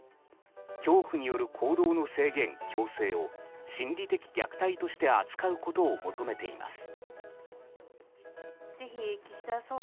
恐怖による行動の制限・強制を心理的虐待として扱うことを求めています。